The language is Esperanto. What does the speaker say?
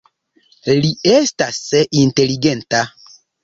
Li estas inteligenta.